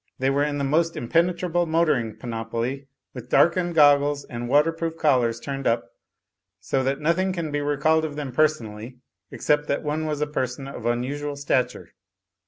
They were in the most impenetrable motoring panoply, with darkened goggles and waterproof collars turned up, so that nothing can be recalled of them personally, except that one was a person of unusual stature.